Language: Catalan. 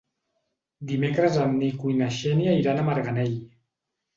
Dimecres en Nico i na Xènia iran a Marganell.